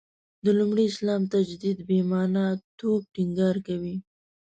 د لومړي اسلام تجدید «بې معنا» توب ټینګار کوي.